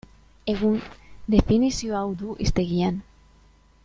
Egun, definizio hau du hiztegian.